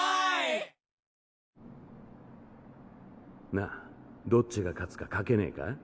なあどっちが勝つか賭けねぇか？